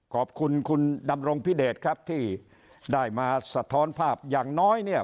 ขอบคุณคุณดำรงพิเดชครับที่ได้มาสะท้อนภาพอย่างน้อยเนี่ย